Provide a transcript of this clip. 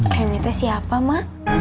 kemi teh siapa ma